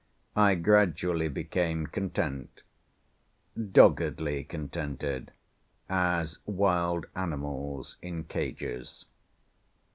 I gradually became content—doggedly contented, as wild animals in cages.